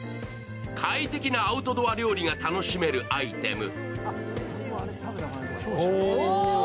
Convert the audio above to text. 快適なアウトドア料理が楽しめるアイテム。